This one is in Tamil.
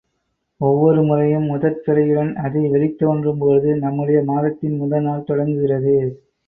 ஒவ்வொரு முறையும் முதற் பிறையுடன் அது வெளித் தோன்றும்பொழுது நம்முடைய மாதத்தின் முதல் நாள் தொடங்குகிறது.